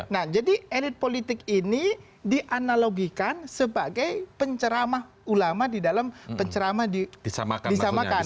nah jadi elit politik ini dianalogikan sebagai penceramah ulama di dalam penceramah disamakan